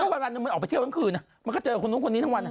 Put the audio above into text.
แม่งแต่วันทางเดียวมันออกไปเที่ยวตั้งคืนมันก็เจอคนน้องคนนี้ทั้งวัน